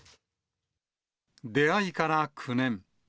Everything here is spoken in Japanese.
出会いから９年。